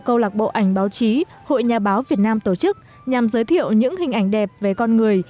câu lạc bộ ảnh báo chí hội nhà báo việt nam tổ chức nhằm giới thiệu những hình ảnh đẹp về con người